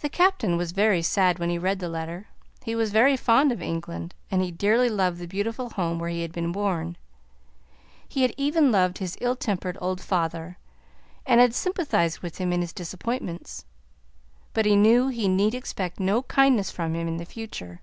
The Captain was very sad when he read the letter; he was very fond of England, and he dearly loved the beautiful home where he had been born; he had even loved his ill tempered old father, and had sympathized with him in his disappointments; but he knew he need expect no kindness from him in the future.